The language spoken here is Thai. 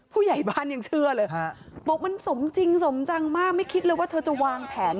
ผู้ใหญ่บ้านยังเชื่อเลยฮะบอกมันสมจริงสมจังมากไม่คิดเลยว่าเธอจะวางแผน